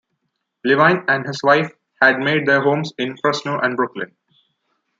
Levine and his wife had made their homes in Fresno and Brooklyn.